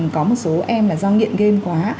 có một số em là do nghiện game quá